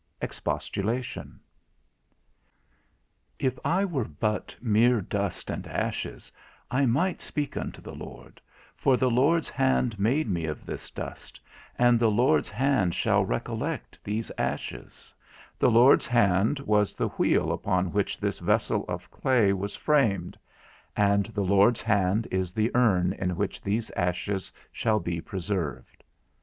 I. EXPOSTULATION. If I were but mere dust and ashes I might speak unto the Lord, for the Lord's hand made me of this dust, and the Lord's hand shall re collect these ashes; the Lord's hand was the wheel upon which this vessel of clay was framed, and the Lord's hand is the urn in which these ashes shall be preserved.